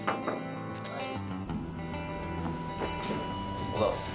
おはようございます。